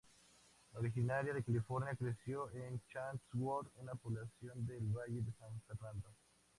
Originaria de California, creció en Chatsworth, una población del Valle de San Fernando.